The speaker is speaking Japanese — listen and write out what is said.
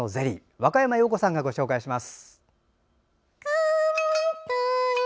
若山曜子さんがご紹介します。